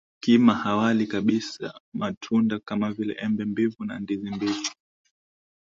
Kima hawali kabisa matunda kama vile Embe mbivu na ndizi mbivu